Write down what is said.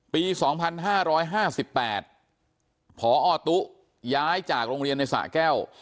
ปี๒๕๕๘พอตุ๊ย้ายจากโรงเรียนในสะแก้ว